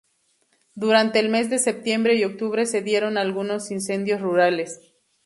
Durante el mes de septiembre y octubre se dieron algunos incendios rurales.